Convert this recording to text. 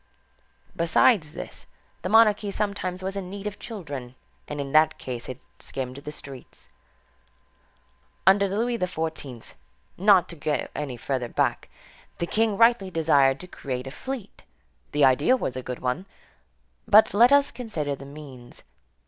Besides this, the monarchy sometimes was in need of children, and in that case it skimmed the streets. Under Louis XIV., not to go any further back, the king rightly desired to create a fleet. The idea was a good one. But let us consider the means.